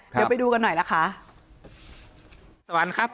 เดี๋ยวไปดูกันหน่อยล่ะค่ะ